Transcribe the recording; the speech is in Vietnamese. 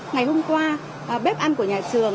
ngày hôm qua bếp ăn của nhà trường